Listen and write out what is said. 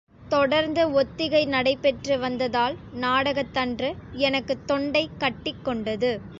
தொடர்ந்து ஒத்திகை நடைபெற்று வந்ததால் நாடகத்தன்று எனக்குத் தொண்டை கட்டிக்கொண்டது.